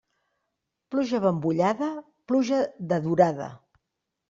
Pluja abambollada, pluja de durada.